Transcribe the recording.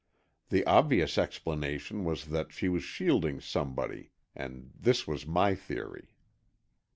The obvious explanation was that she was shielding somebody, and this was my theory.